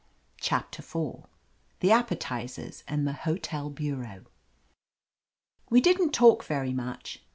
CHAPTER IV THE APPETIZERS AND THE HOTEL BUREAU WE didn't talk very much.